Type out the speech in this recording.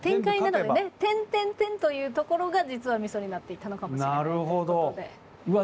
「」というところが実はみそになっていたのかもしれないということで。